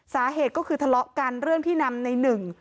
สาเหตุก็คือทะเลาะกันเรื่องที่นำในหนึ่ง